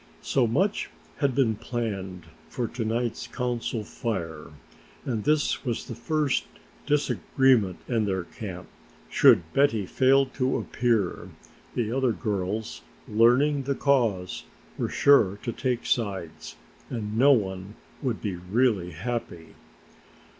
So much had been planned for to night's Council Fire and this was the first disagreement in their camp. Should Betty fail to appear, the other girls, learning the cause, were sure to take sides and no one would be really happy.